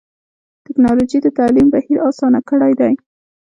ټکنالوجي د تعلیم بهیر اسان کړی دی.